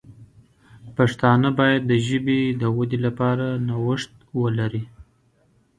پښتانه باید د ژبې د ودې لپاره نوښت ولري.